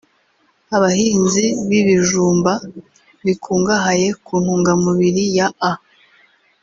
abahinzi b’ibijumba bikungahaye ku ntungamubiri ya A